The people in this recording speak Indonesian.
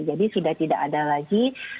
jadi sudah tidak ada lagi